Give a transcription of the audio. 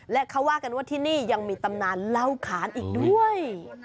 และเขาว่ากันว่าที่นี่ยังมีตำนานเล่าขานอีกด้วย